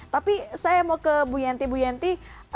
tapi saya mau ke bu yanti bu yanti